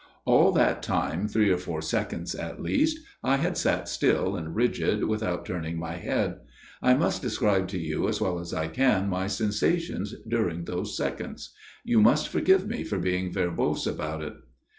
" All that time, three or four seconds at least, I had sat still and rigid without turning my head. I must describe to you as well as I can my sensa tions during those seconds. You must forgive me for being verbose about it.